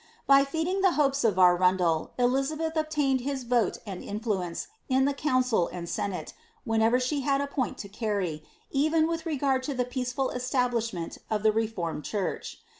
By feeding the hopes of Arundel, Elizabeth obtained his vote and influence in the cf^oncil and senate, whenever she had a point to carry, even wiih regard to ihe peaceful establishment of the reformed church.'